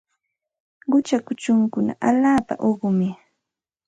Qucha kuchunkuna allaapa uqumi.